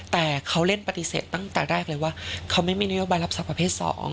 แต่เขาเล่นปฏิเสธตั้งแต่แรกเลยว่าเขาไม่มีนโยบายรับศาสประเภท๒